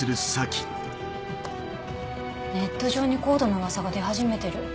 ネット上にＣＯＤＥの噂が出始めてる。